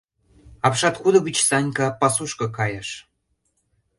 Апшаткудо гыч Санька пасушко кайыш.